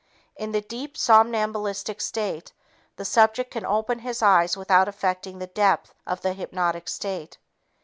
In the deep, somnambulistic state, the subject can open his eyes without affecting the depth of the hypnotic state.